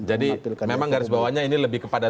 jadi memang garis bawahnya ini lebih kepada